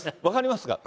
分かります。